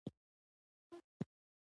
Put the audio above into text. ته باید ځانته نوی مبایل واخلې